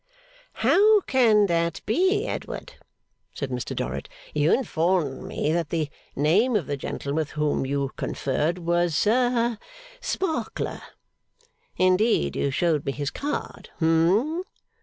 'How can that be, Edward?' said Mr Dorrit. 'You informed me that the name of the gentleman with whom you conferred was ha Sparkler. Indeed, you showed me his card. Hum.